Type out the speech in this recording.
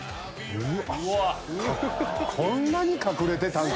うわ！